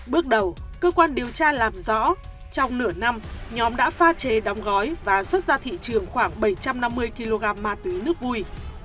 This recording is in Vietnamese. bước đầu cơ quan điều tra làm rõ trong nửa năm nhóm đã pha chế đóng gói và xuất ra thị trường khoảng bảy trăm năm mươi kg ma túy nước vui